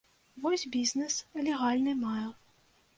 Вось бізнэс легальны маю.